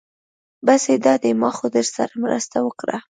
بس دا دی ما خو درسره مرسته وکړه.